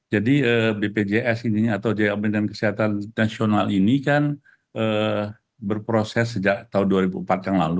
jadi bpjs ini atau jkn kesehatan nasional ini kan berproses sejak tahun dua ribu empat yang lalu